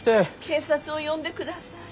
警察を呼んでください。